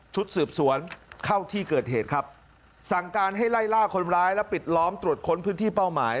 ชุดสืบสวนเข้าที่เกิดเหตุครับสั่งการให้ไล่ล่าคนร้ายและปิดล้อมตรวจค้นพื้นที่เป้าหมาย